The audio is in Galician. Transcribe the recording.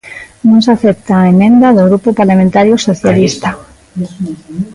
Non se acepta a emenda do Grupo Parlamentario Socialista.